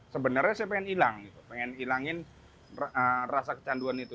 sebenarnya saya pengen hilang pengen hilangin rasa kecanduan itu